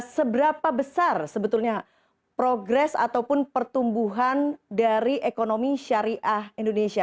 seberapa besar sebetulnya progres ataupun pertumbuhan dari ekonomi syariah indonesia